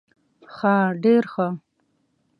ښه ډير ښه